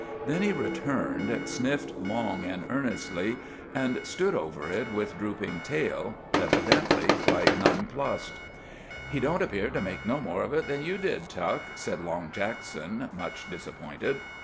Then he returned, sniffed long and earnestly, and stood over it with drooping tail, evidently quite nonplussed. "He don't appear to make no more of it than you did, Tug," said Long Jackson, much disappointed.